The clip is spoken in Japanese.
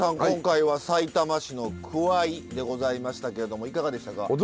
今回はさいたま市のくわいでございましたけれどもいかがでしたか？